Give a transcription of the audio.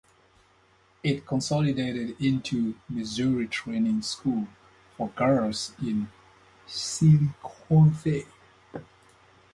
It consolidated into the Missouri Training School for Girls in Chillicothe.